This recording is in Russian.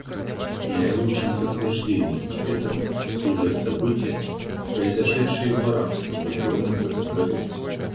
Наилучшим подтверждением этому служат события, произошедшие в арабском регионе в этом году.